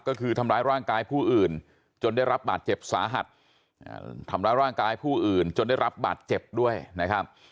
ก็คือทำร้ายร่างกายผู้อื่นจนได้รับบาดเจ็บสาหัสทำร้ายร่างกายผู้อื่นจนได้รับบาดเจ็บด้วยนะครับ